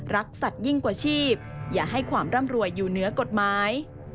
สัตว์ยิ่งกว่าชีพอย่าให้ความร่ำรวยอยู่เหนือกฎหมาย